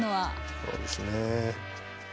そうですね。